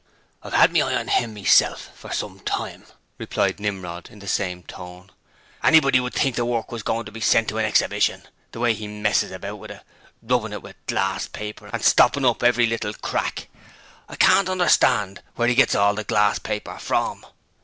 'I've 'ad me eye on 'im meself for some time,' replied Nimrod in the same tone. 'Anybody would think the work was goin' to be sent to a Exhibition, the way 'e messes about with it, rubbing it with glasspaper and stopping up every little crack! I can't understand where 'e gets all the glasspaper FROM.'